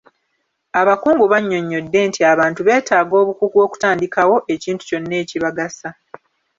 Abakungu banyonyodde nti abantu beetaaga obukugu okutandikawo ekintu kyonna ekibagasa.